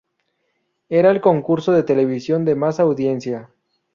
Era el concurso de televisión de más audiencia.